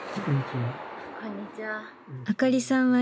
こんにちは。